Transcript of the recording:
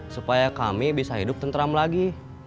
supaya kami bisa hidup tentram lagi